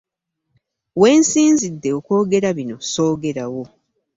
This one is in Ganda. We nsinzidde okwogera bino ssoogerawo.